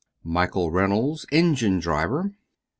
MICHAEL REYNOLDS, ENGINE DRIVER.